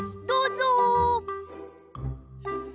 どうぞ！